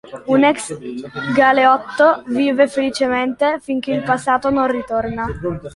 Un ex galeotto vive felicemente finché il passato non ritorna.